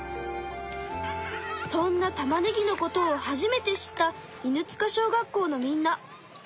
そんなたまねぎのことを初めて知った犬塚小学校のみんな。